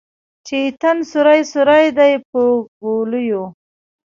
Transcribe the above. چې یې تن سوری سوری دی پر ګولیو